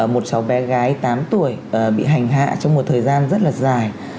một cháu bé gái tám tuổi bị hành hạ trong một thời gian rất là dài